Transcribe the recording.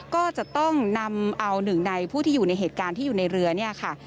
ก็จะต้องนำเอาหนึ่งในผู้ที่อยู่ในเหตุการณ์ที่อยู่ในเรือเนี่ยค่ะ